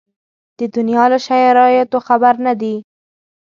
د دنیا له شرایطو خبر نه دي.